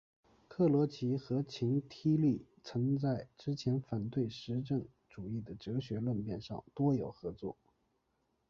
克罗齐和秦梯利曾在之前反对实证主义的哲学论辩上多有合作。